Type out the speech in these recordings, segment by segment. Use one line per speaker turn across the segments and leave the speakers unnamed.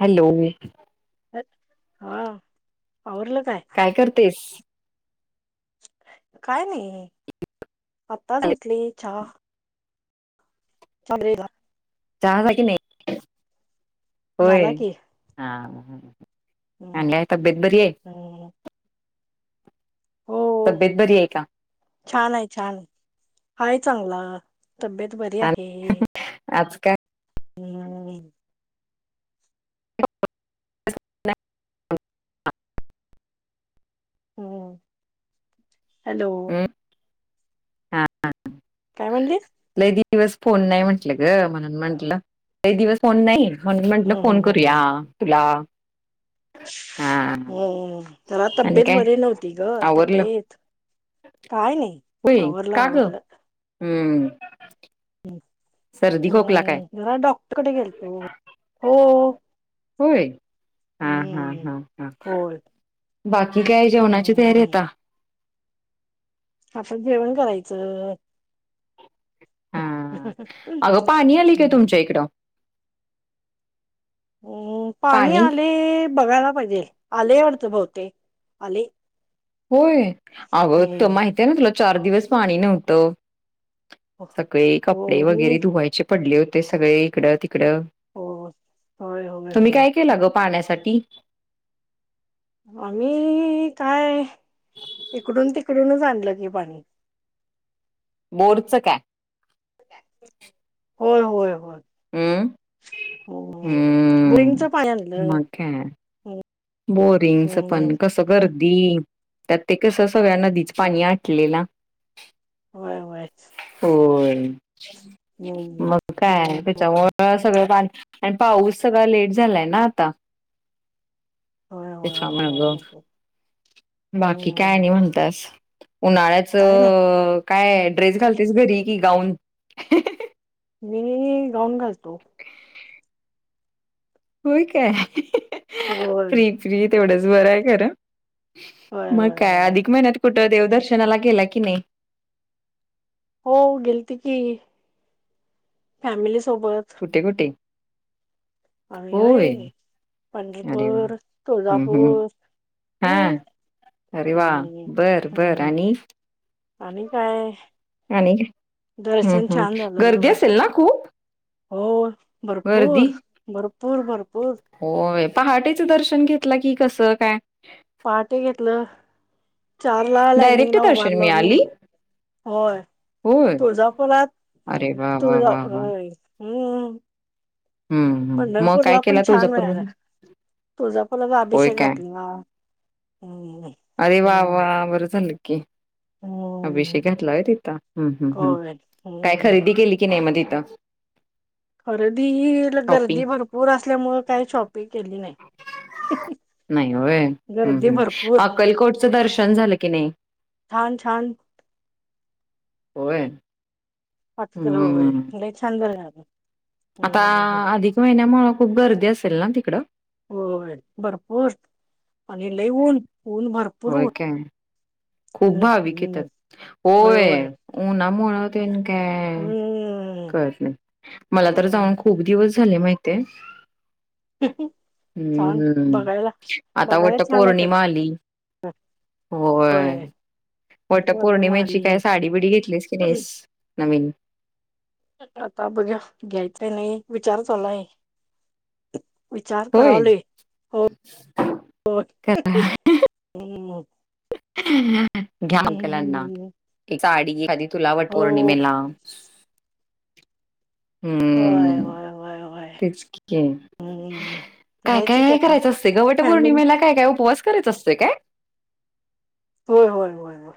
Hello
हा
काय करतेस?
काय नाई आत्ताच उठली चहा [unintelligible]
चहा [unintelligible] नाई होय
झाला की
हां [unintelligible] आणि
हम्म
काय तब्येत बरी ये
हम्म हो-
बरी आहे का
छान आहे छान- आहे चांगला तब्येत बरी
छान.
आहे.
[unintelligible]
हम्म
[inaudible]
हम्म हॅलो
हम्म
काय म्हणलीस
लई दिवस फोन नाही म्हंटलं ग म्हणून म्हंटलं, लई दिवस फोन नाही? म्हणून म्हटलं
हम्म
फोन
हम्म
करूया?
हम्म
तुला हा
हम्म -त्याला
आणि
तब्येत
काय
बरी नव्हती ग
आवरलं
तब्येत काय नाही
होय
आवरलं
का ग
आवरलं
हम्म
[inaudible]
सर्दी, खोकला काय?
तिकडे गेलतो हो
होय हा, हा,
हम्म
हा, हा
होय
[unintelligible] आणि काय जेवणाची तयारी
हम्म
आता
आपण जेवण करायचं
हां. अगं पाणी आलय काय तुमच्या
हम्म,
इकडं
अम पाणी आले- बघायला पाहिजे आले वाटत बहुतेक आले
होय अगं त्यो
हम्म
माहिती आहे ना [unintelligible] चार दिवस पाणी नव्हतं सगळे
हो
कपडे
मी
वगैरे धुवायचे पडले होते सगळे इकड इकड-
हो होय होय
तुम्ही
होय
काय केलं ग पाण्यासाठी
आम्ही काय इकडून ते कडूनच आणलं की, पाणी.
बोरच काय?
होय होय होय.
हम्म.
[unintelligible]
हम्म.
बोरींगचं पाणि आणलं.
मग काय बोरिंगच पण कसं गर्दी त्यात ते कस सगळ्या नदीच पाणी आटलेला,
व्हय, व्हयच.
होय. मग
हम्म
काय त्याचामुळ सगळं आणि पाऊस सगळा लेट झालाय ना आता.
होय होय होय
त्याच्यामुळ ग
होय होय.
बाकी काय
हम्म
आणि म्हणत्यास.
काय नाही
उन्हाळ्याचं, काय ड्रेस घालतीस घरी की गाऊन?
मी गाऊन घालतो.
होय काय?
होय
फ्री फ्रि तेवढंच. बरं आहे खरं?
होय
मग
होय
काय
होय
अधिक महिन्यात कुठ देवदर्शनाला गेला की नाही?
हो, गेलती की फॅमिली सोबत.
कुठे कुठे?
आणि होय,
अरे वा!
पंढरपूर,
हं हं.
तुळजापूर,
हां.
हम्
अरे वा!
हम्
बर बर
हम्
आणि
आणि काय?
हम्म.
दर्शन
हम्.
छान झालं
गर्दी असेल ना खूप?
हो.
गर्दी?
भरपूर.. भरपूर.. भरपूर..
होय. पहाटेचं दर्शन घेतलं की कसं काय
पहाटे घेतलं. चार ला
डायरेक्ट
लाईनिंगला
दर्शन
उभारलं आम्ही
मिळाली?
होय,
होय.
तुळजापुरात
अरे वा वा
तुळजा
वा वा!
हम.
हं हं. मग काय
पंढरपूरला पण
केला
छान मिळालं.
तुळजापूरमध्ये?
तुळजापूरला
होय
अभिषेक
काय?
घातला. हम्म
अरे वा..
हम्म
वा.. बरं झालं की,
हम्म
अभिषेक घातला तिथ हम्म्, हम,
होय
काय
हम्म
खरेदी केली की नाही मग, कता
खरेदी गर्दी भरपूर असल्यामुळें काय शॉपिंग केली नाही.
नाही
गर्दी
हो््
भरपूर
अक्कलकोटचं दर्शन झालं की नाही
छान छान
होय
हत कलो होय
हम्म
म्ह छान झाल
आता अधिक महिन्यामु खूप गर्दी असते तेल्ला तिकड
होय भरपूर आणि लऊन
होय काय खूप भाविक येतात
हम्म
होय उ्हामुळ तेन काय
हम्
कळत नाही मला तर जाऊन खूप दिवस झाले माहिित हाय हम्म
छान
हम्म
बघायला
आता
बघायला
वाटत
छान आहे खरं
पौर्णिमा आली होय
बोलणे
वटपौर्णिमेची
माडी
काय साडी बिडी घेतलीस की नाहीस नवी हम्
आता बघा घ्यायचंय नाही विचार चालू हाय
होय का
हम्म
हम् घ्याकलांना
हम्म
एकडी तुलावरट पर
हो
नयमेला
होय
हम्म
होय होय होय
तेच की
हम्म
काय
घ्यायचं की
काय
आता
करायचं असतय ग गवट
फॅमिली
पौर्णिमेला काय काय उपवास करायच असतय काय
होय होय होयय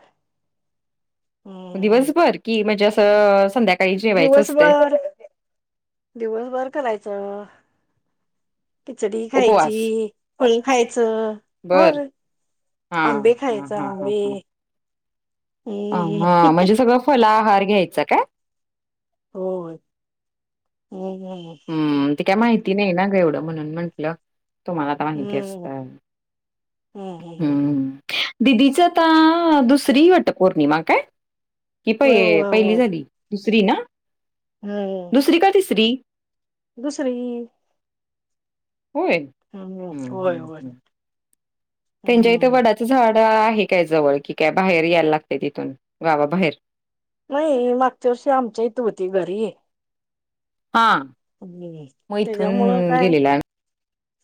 दिवसभर की म्हणजे ह
दिवसभर दिवसभर करायचं खिचडी खायची
उपवास
फण खायचं हो
बर हा
आंबे खायच आंबे
ह
हम्म
हा म्हणजे सगळं फला भार घ्यायच का
हो हू हू हू.
का माहिती नाही ना ग एवढं म्हणून म्हंटलं. तुम्हाला तर माहिती असत.
हम्म हम्म हम् हम्.
दिदीचं तर दुसरी वाट पोर्णिमा काय. कि
होय
पहि
होय
पहिली
होय
झाली. दुसरी ना.
हम्म
दुसरी का तिसरी.
दुसरी.
होय हम्म
होय
हम्म
होय
हम्म. त्यांच्या इथं
हम्म
वडाचं झाड. आहे काय जवळ कि, काय बाहेर यायला लागते तिथून गावाबाहेर.
नाही मागच्या वर्षी आमच्या इ त होती घरी. [inaudible]
हा
हम्म
मग इथून गेलेला आहे.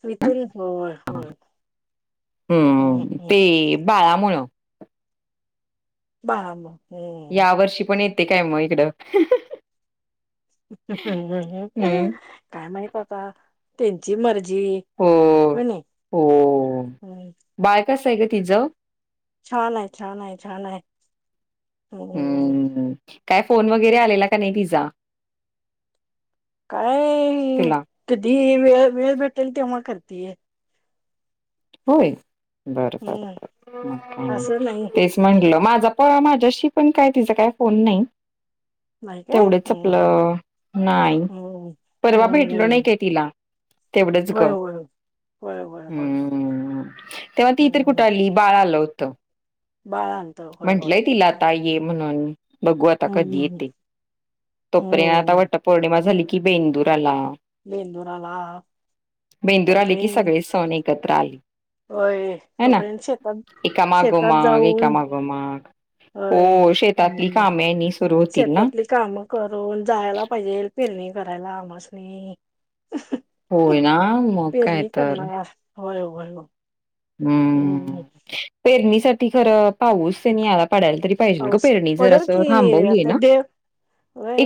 वितुल.
हा हम्म
बाम
ते बाळामुळं.
बळा मुळ
या वर्षी पण एक. ते काय मग इकडं ह ह ह.
हा हा हा अ अ काय माहित आता. त्यांची मर ज
हो
होणे
हो
हम.
बाळ कसं आहे ग तिज
छान आहे. छान आहे. छान आहे.
हम्म. काय फोन वगैरे आलेला का नाही तिझा.
काय कधी वेळ वेळ भेटेल तेव्हा करते. तेी [unintelligible]
होय. बर बर
हम्म असं नाही
तेच म्हटलं. माझा प माझ्याशी पण काय तिचा काय फोन नाही.
नाही काय
तेवढच
हम्म
आपलं नाही,
हम्म
परवा भेटलो नाही,
हम्म
काय तिला तेवढंच
होय
ग.
होय होय होय होय
तेव्हा ती तर कुठं
हम्म
आली बाळ आलव त
बाळ आणत होय होय
म्हंटलंय तिला आता
हम्म
ये म्हणून, बघू आता कधी
हम्म
येते तोपर्यन आता
हम्म
वट पौर्णिमा झाली की, कीं बेंदूर आला
बेदुर आला तो प्रयन्त
त्राली हा ना,
शेतात
एका
शेतात
मागोमाग,
जाऊन
एका मागोमाग
होय
हो, शेतातली
हम्म
कामे निस
शेतातली कामं करून जायाला पाहिजेल पेरणी करायला आमास्नी
होय ना, मग काय तर.
करणार होय, होय ओ
हम्म, पेरणी स ती खरं, पाऊस आणि आलात पडायला तरी पाहिजेल ग
पाऊस
पेरणी जर
पडेल
असं
की
थांबवली आहे
आता
ना
देव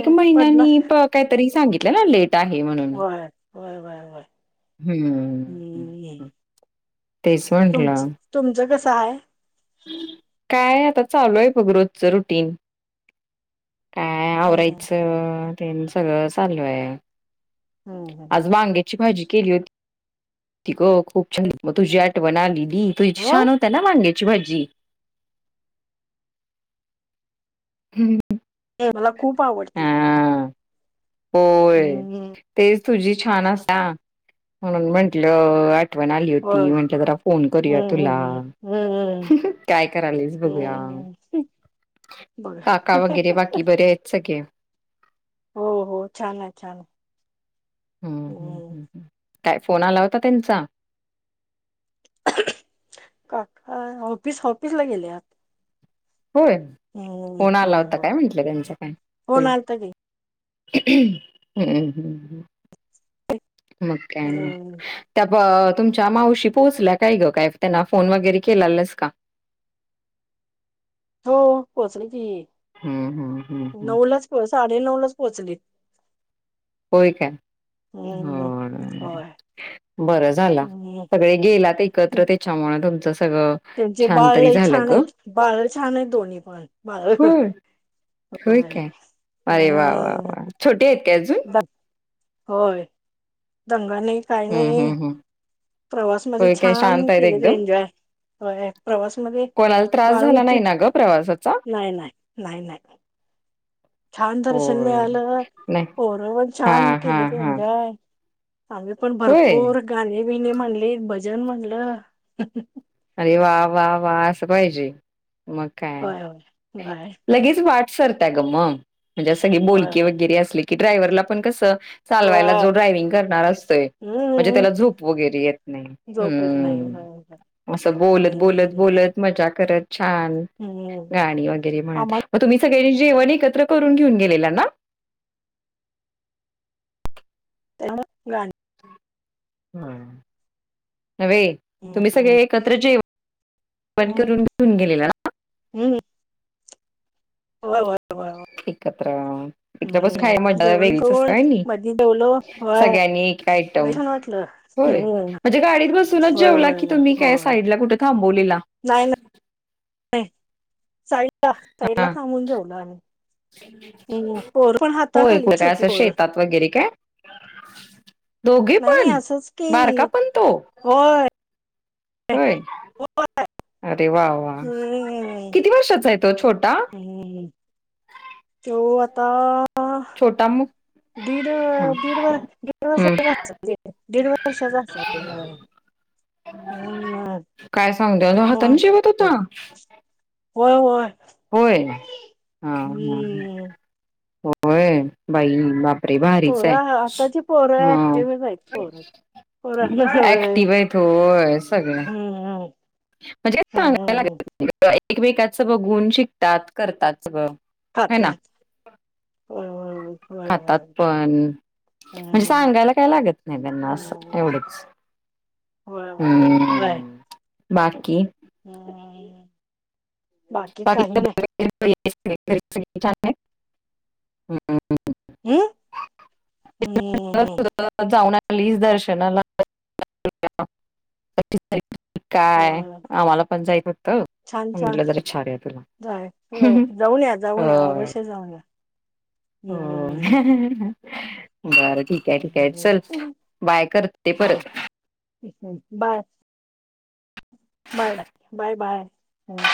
एक
पडणार
महिन्यांनी [unintelligible] कायतर सांगितली [unintelligible] टाहे म्हणून
व्हयं बाय व्हयं.
हूम
तुमचं तुमचं कसं हाय?
काय आता चालू हाय बघ रोजच रुटीन. काय
हम्म
आवरायचं? तेनं सगळं चालू हाय.
हम्म हम्म
आज वांग्याची भाजी केली हो ती ग खुप [unintelligible] मग तुजी आठवण आली. ई तुईची छान
होय
होता ना भाडीत शिवाजी हम्म
हे मला खूप आवडती.
होय
हम्म
तेच तुझी छान असा म्हणून म्हंटलं, आत आठवण आली
होय
होती म्हंटल जरा फोन करूया
हम्म
तुला,
हम्म हम्म हम्म
काय कराली स बघू या,
हम्म हम्म
काका
बघा
वगैरे बाकी बरे आहेत सगळे
हो हो छान हाय, छान हाय.
हू हू हू हू काय फोन आला होता त्यांचा
काका ऑफिस ऑफिस ला गेलेया
होय फोन आला
होय
होता
होय
काय म्हंटलं त्यांचा काय
फोन
तुला
आलता की
हम्म ह हम्म मग काय नाय
हम्म
त्या ब तुमच्या मावशी पोहोचल्या काय ग काय त्यांना फोन वगैरे केलालेस का?
हो पोहोचले की,
हम्म हम्म हम्म हम्म
नऊ लाच पोच साडे नऊ लाच पोहोचली
होय का
हम्म
हो ना
होय
बरंच झाला
हम्म
सगळे गेलात एकत्र त्याच्यामुळ
त्यांचे बाळ लय छान आहेत बाळ छान आहेत दोन्ही पण बाळ
होय होय
व्हय
काय अरे वा वा वा छोटे आहेत काय अजून?
होय दंग आणि काय
हम्म
नाई
हम्म हम्म
प्रवासमध्ये
होय काय
छान
शांत आहेत
केलेते
एकदम
एन्जॉय व्हय प्रवासमध्ये
कोणाला त्रास
बाळ
झाला नाही
होतीच
ना ग प्रवासाचा?
नाय नाय नाय नाय. छान दर्शन
होय
मिळालं
नाही
पोरं
हा
छानपण
हा
केलीत
हा
एनजॉय आम्हीपण
होय
भरपूर गाणी बिनी म्हणलीत भज जन म्हणलं.
अरे वा वा वा अस पाहिजे मग काय
होय होय. होय
लगेच वाट सरत्या ग म म्हणजे अस की
होय
बोलकी
होय
वगैरे असले की ड्रायव्हला पण कसं. चालवायला
होय
जो ड्रायविंग करणार असतोय. म्हणजे
हम्म
त्याला झूप वगैरे येत नाही
झोप येत नाही होय होय.
हम्म असं बोलत बोलत
हम्म
बोलत मजा करत. छान
हम्म
गाणी वगैरे म्हणत मग तुम्ही सगळे जेवण एकत्र करून घेऊन गेलेला ना.
गा [inaudible]
हम्म. हवे तुम्ही
हम्म
सगळे एकत्र जे वन
हम्म
करून घेऊन गेलेला ना.
हो हो [unintelligible]
एकत्र इथं बसून खायाला
हम्म
मजा
जेवण
वेगळीच
करून
असत्या व्हयणी,
मधी जेवलो होय
सगळ्यांनी एक आयटम
लय छान वाटलं.
होय
हम्म
म्हणजे गाडीत बसूनच
होय
जेवला
होय
की
होय
तुम्ही का
होय
साईडला कुठे थांब बो लीला.
नाही नाही [unintelligible] साईडला [unintelligible] थांबून जेवलो आम्ही. हम्म पोरं पण
हो
हाताखाली
[unintelligible]
छोटी
असं
पोरं
शेतात वगैरे काय? दोघे
नाही नाही
पण
असंच
बारका
की
पण तो.
होय
होय, अरे वा वा
हम्म
किती वर्षाचा आहे. तो छोटा.
तोय आता. अ
छोटा मु
दीड
हा
दीड व दीड
हम्म
वर्षाचा दीड वर्षाचा असलं.
काय सांगत्यास तो हातानं
मग
जेवत होता.
होय होय.
होय हा हा.
हम्म
होय बाई बाप. भारीच हाय
पोरं आताची पोरं
मग
ऍक्टिव्हच आहेत पोरं पोरांना होय
ऍक्टिव्ह हाय तो सगळ
हम्म
म्हणजे
हम्म
[unintelligible] एकमेकाचं बघून शिकतात करतात सगळ. ह ना
खात्यात होय होय होय होय
खातात पण म्हणजे
हम्म
सांगायला काय लागत नाही. त्यांना असं
हम्म
एवढेच
होय होय
हम्. बाकी.
हम् हम. बाकी काही नाही.
[inaudible] [inaudible]
हम्म हम्म
प्लीज दर्शनला [unintelligible] काय
होय
आम्हाला पण जाईट होतं
छान छान
म्हटलं जाय.
जाय व्हय जाऊन या जाऊन या अवश्य जाऊन या.
हम्म [inaudible] [inaudible] बर ठीक काय ठीक काय
हम्म
चल बाय कर ते परत.
Bye bye bye bye bye. हम्